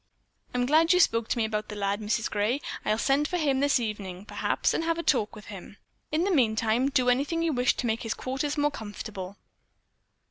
I'm glad you spoke to me about the lad, Mrs. Gray. I'll send for him this evening perhaps, and have a talk with him. In the meantime, do anything you wish to make his quarters more comfortable."